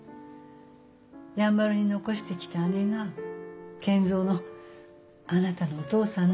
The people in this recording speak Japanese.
やんばるに残してきた姉が賢三のあなたのお父さんの母親。